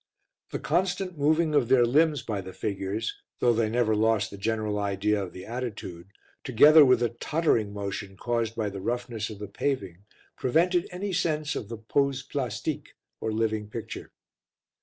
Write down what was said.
The constant moving of their limbs by the figures, though they never lost the general idea of the attitude, together with the tottering motion caused by the roughness of the paving, prevented any sense of the pose plastique or living picture.